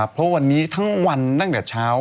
เพราะวันนี้ทั้งวันตั้งแต่เช้า